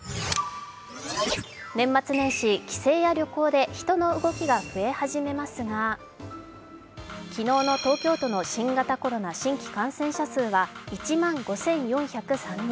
年末年始、帰省や旅行で人の動きが増え始めますが昨日の東京都の新型コロナ新規感染者数は１万５４０３人。